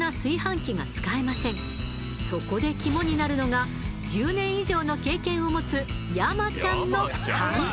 そこで肝になるのが１０年以上の経験を持つ山ちゃんの勘。